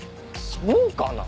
そうかな？